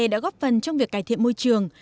đã góp phần trong việc cải thiện môi trường